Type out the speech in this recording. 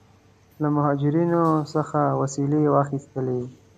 له مهاجرینو څخه وسلې واخیستلې.